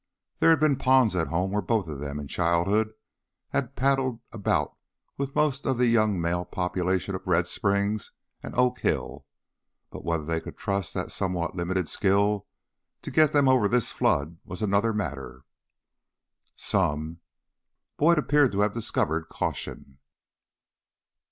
There had been ponds at home where both of them in childhood had paddled about with most of the young male populations of Red Springs and Oak Hill. But whether they could trust that somewhat limited skill to get them over this flood was another matter. "Some." Boyd appeared to have discovered caution.